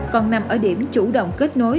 còn nằm ở điểm chủ động kết nối